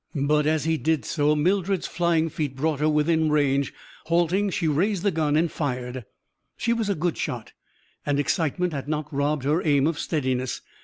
But, as he did so, Mildred's flying feet brought her within range. Halting, she raised the gun and fired. She was a good shot. And excitement had not robbed her aim of steadiness.